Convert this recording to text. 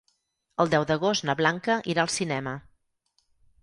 El deu d'agost na Blanca irà al cinema.